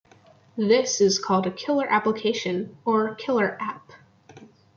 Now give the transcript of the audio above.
This is called a killer application or "killer app".